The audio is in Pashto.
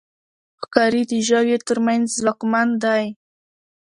ښکاري د ژويو تر منځ ځواکمن دی.